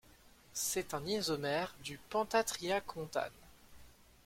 C'est un isomère du pentatriacontane.